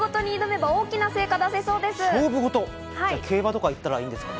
じゃあ、競馬とか行ったらいいんですかね？